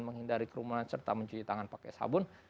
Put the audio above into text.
menghindari kerumunan serta mencuci tangan pakai sabun